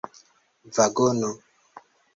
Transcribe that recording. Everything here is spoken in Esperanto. vagono